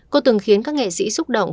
cô từng khiến các nghệ sĩ xúc động